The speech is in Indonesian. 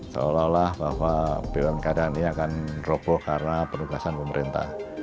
seolah olah bahwa bumn keadaan ini akan roboh karena penugasan pemerintah